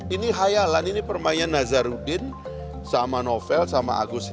ini hayalan ini permainan nazarudin sama novel sama agus